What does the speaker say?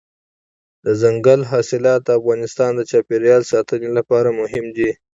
دځنګل حاصلات د افغانستان د چاپیریال ساتنې لپاره مهم دي.